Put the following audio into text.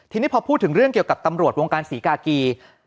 ทีนี้พอพูดถึงเรื่องเกี่ยวกับตำรวจวงการศรีกากี